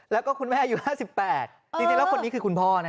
แล้วก็คุณแม่อายุ๕๘จริงแล้วคนนี้คือคุณพ่อนะ